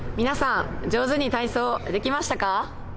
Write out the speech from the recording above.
皆さん、上手に体操できましたか？